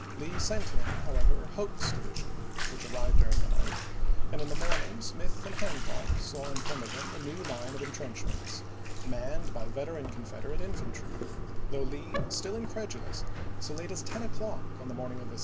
Lee sent him, however, Hoke's division, which arrived during the night, and in the morning Smith and Hancock saw in front of them a new line of intrenchments, manned by veteran Confederate infantry; though Lee, still incredulous, so late as ten o'clock on the morning June, 1864.